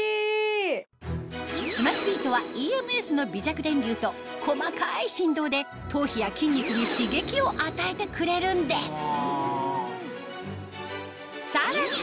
スマスビートはＥＭＳの微弱電流と細かい振動で頭皮や筋肉に刺激を与えてくれるんですさらに